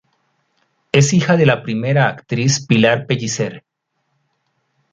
Es hija de la primera actriz Pilar Pellicer.